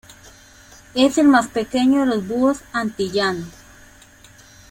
Es el más pequeño de los búhos antillanos.